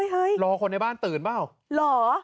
รอคนในบ้านตื่นเปล่าเหรอ